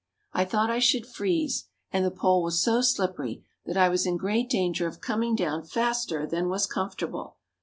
I thought I should freeze and the pole was so slippery that I was in great danger of coming down faster than was comfortable.